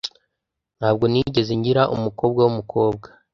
Ntabwo nigeze ngira umukobwa wumukobwa